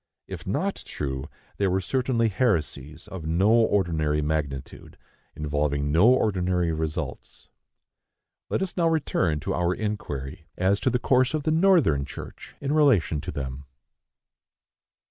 If not true, they were certainly heresies of no ordinary magnitude, involving no ordinary results. Let us now return to our inquiry as to the course of the Northern church in relation to them.